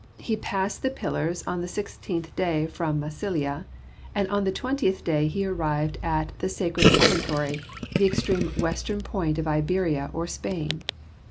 He passed the Pillars on the sixteenth day from Massilia, and on the twentieth he arrived at the Sacred Promontory, the extreme western point of Iberia or Spain.